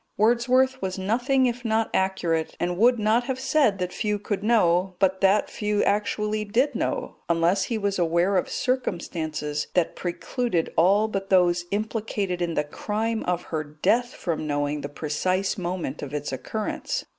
Wordsworth was nothing if not accurate, and would not have said that few could know, but that few actually did know, unless he was aware of circumstances that precluded all but those implicated in the crime of her death from knowing the precise moment of its occurrence.